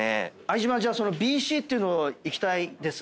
相島じゃあそのＢＣっていうのいきたいです。